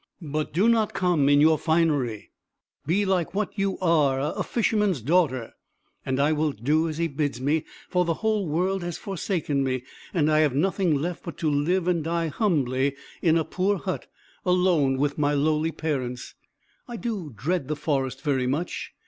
But do not come in your finery; be like what you are, a fisherman's daughter.' And I will do as he bids me; for the whole world has forsaken me, and I have nothing left, but to live and die humbly in a poor hut, alone with my lowly parents. I do dread the forest very much.